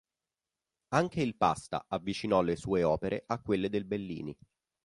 Anche il Pasta avvicinò le sue opere a quelle del Bellini.